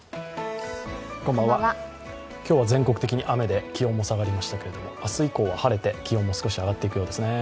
今日は全国的に雨で気温も下がりましたけれども、明日以降は晴れて気温も少し上がっていくようですね。